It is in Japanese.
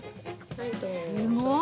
すごい。